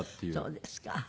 そうですか。